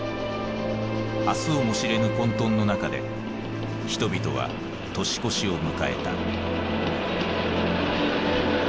明日をも知れぬ混沌の中で人々は年越しを迎えた。